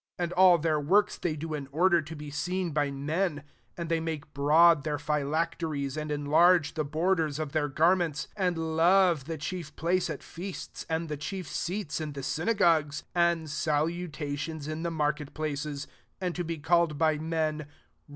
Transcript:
5 And all their works they do in order to be seen by men; and they make broad their phylacteries, and enlarge the borders [of their garments], and love the chief place at feasts, and the chief seats in the synagogues, 7 and salutatiotis in the market places, and to be called by men.